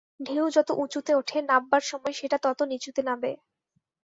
ঢেউ যত উঁচুতে ওঠে, নাববার সময় সেটা তত নীচুতে নাবে।